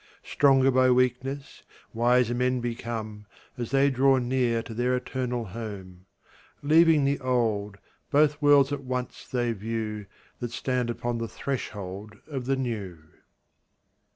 Stronger by weakness, wiser men become As they draw near to their eternal home: Leaving the old, both worlds at once they view That stand upon the threshold of the new.